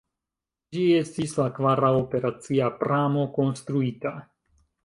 Ĝi estis la kvara operacia pramo konstruita.